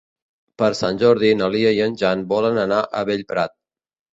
Per Sant Jordi na Lia i en Jan volen anar a Bellprat.